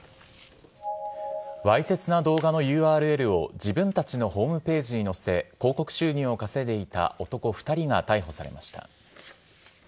わいせつな動画のＵＲＬを自分たちのホームページに載せ、広告収入を稼いでいた男２人が逮捕されました。